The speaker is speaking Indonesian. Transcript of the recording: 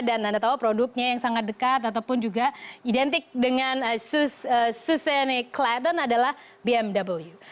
dan anda tahu produknya yang sangat dekat ataupun juga identik dengan susan cletton adalah bmw